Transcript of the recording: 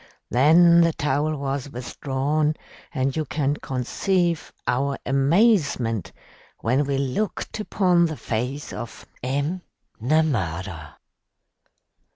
Then the towel was withdrawn, and you can conceive our amazement when we looked upon the face of M'Namara.